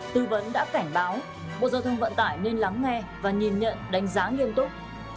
tư vấn đã cảnh báo bộ giao thông vận tải nên lắng nghe và nhìn nhận đánh giá nghiêm túc